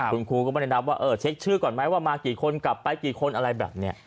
คุณครูก็ไม่ได้นับว่าเออเช็คชื่อก่อนไหมว่ามากี่คนกลับไปกี่คนอะไรแบบนี้